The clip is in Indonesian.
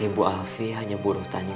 ibu alfi hanya buruk tanya tanya